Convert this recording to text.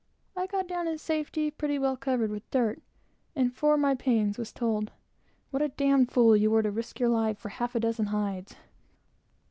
I got down in safety, pretty well covered with dirt; and for my pains was told, "What a d d fool you were to risk your life for a half a dozen hides!"